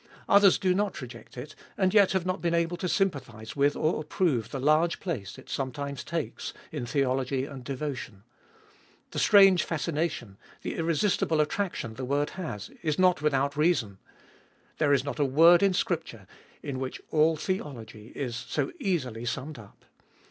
Others do not reject it, and yet have not been able to sympathise with or approve the large place it sometimes takes in theology and devotion. The strange fascination, the irresistible attraction the word has, is not without reason. There is not a word in Scripture in which all theology is so easily summed up.